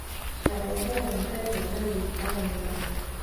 anaendana na kazi anayoifanya